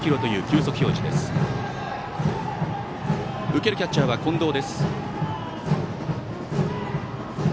受けるキャッチャーは近藤です。